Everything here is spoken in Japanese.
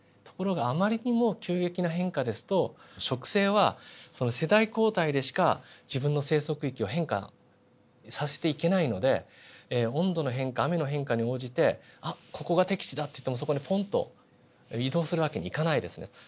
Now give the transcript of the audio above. ところがあまりにも急激な変化ですと植生はその世代交代でしか自分の生息域を変化させていけないので温度の変化雨の変化に応じてあっここが適地だっていってもそこにポンと移動する訳にいかないですね。